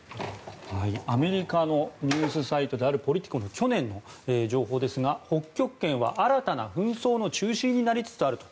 アメリカのニュースサイトであるポリティコの去年の情報ですが北極圏は新たな紛争の中心になりつつあると。